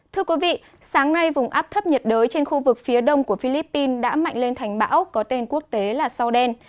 thưa quý vị sáng nay vùng áp thấp nhiệt đới trên khu vực phía đông của philippines đã mạnh lên thành bão có tên quốc tế là sao đen